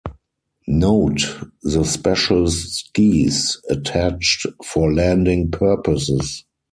Note the special skis attached for landing purposes.